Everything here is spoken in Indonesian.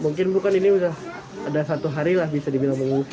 mungkin bu kan ini udah ada satu hari lah bisa dibilang pengungsi